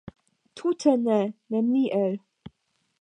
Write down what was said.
Tute ne, neniel.